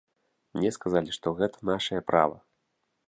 Мне сказалі, што гэта нашае права.